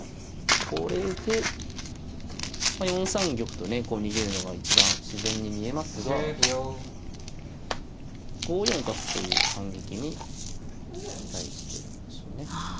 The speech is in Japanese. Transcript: これで４三玉とねこう逃げるのが一番自然に見えますが５四角という反撃に期待してるんでしょうね。